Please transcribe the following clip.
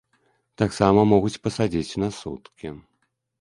Таксама могуць пасадзіць на суткі.